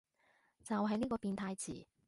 就係呢個變態詞